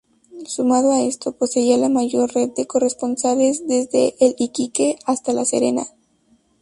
Sumado a esto, poseía la mayor red de corresponsales desde Iquique hasta La Serena.